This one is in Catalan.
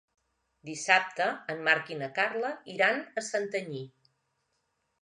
Dissabte en Marc i na Carla iran a Santanyí.